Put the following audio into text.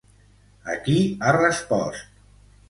A qui ha respost?